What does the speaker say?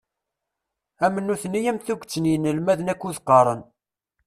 Am nutni am tuget n yinelmaden ukkud ɣaren.